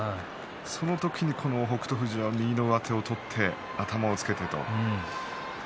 その時に北勝富士が右の上手を取って頭をつけて。